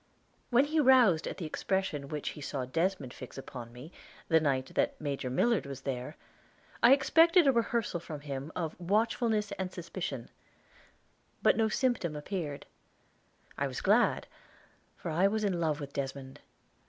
When he roused at the expression which he saw Desmond fix upon me the night that Major Millard was there, I expected a rehearsal from him of watchfulness and suspicion; but no symptom appeared. I was glad, for I was in love with Desmond.